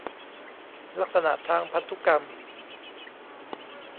ลักษณะทางพันธุกรรม